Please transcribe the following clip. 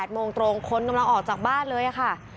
โมงตรงคนกำลังออกจากบ้านเลยค่ะ